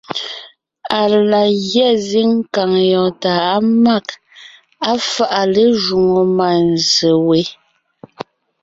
Á la gyɛ́ zíŋ kàŋ yɔɔn tà á mâg, á fáʼa lé jwoŋo mânzse we,